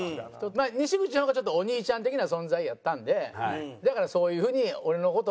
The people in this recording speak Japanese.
西口の方がちょっとお兄ちゃん的な存在やったんでだからそういうふうに俺の事を。